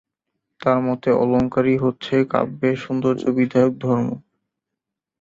তাঁর মতে অলঙ্কারই হচ্ছে কাব্যের সৌন্দর্য-বিধায়ক ধর্ম।